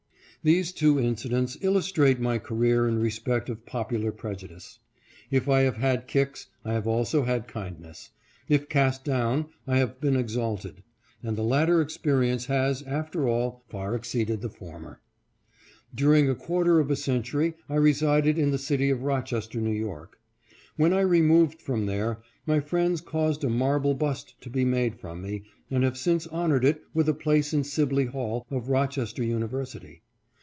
These two incidents illus trate my career in respect of popular prejudice. If I have had kicks, I have also had kindness. If cast down, 1 have been exalted ; and the latter experience has, after all, far exceeded the former. During a quarter of a century I resided in the city of Rochester, N. Y. When I removed from there, my friends caused a marble bust to be made from me, and have since honored it with a place in Sibley Hall, of Roches ter University.